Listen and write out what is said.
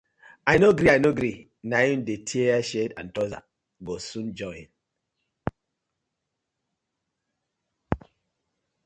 I no gree, I no gree, na im dey tear shirt and trouser go soon join.